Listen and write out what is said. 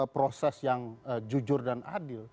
proses yang jujur dan adil